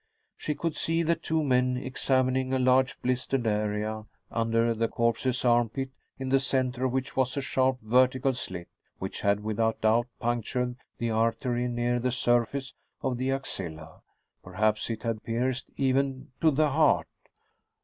She could see the two men examining a large blistered area under the corpse's armpit, in the center of which was a sharp vertical slit which had without doubt punctured the artery near the surface of the axilla. Perhaps it had pierced even to the heart.